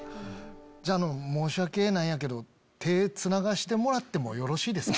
じゃあ申し訳ないんやけど手つながせてもらってもよろしいですか？